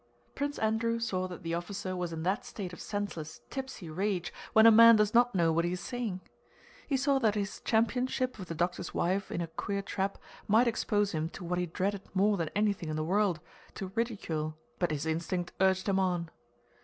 Prince Andrew saw that the officer was in that state of senseless, tipsy rage when a man does not know what he is saying. He saw that his championship of the doctor's wife in her queer trap might expose him to what he dreaded more than anything in the world—to ridicule; but his instinct urged him on.